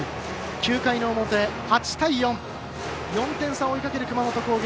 ９回の表、８対４４点差を追いかける熊本工業。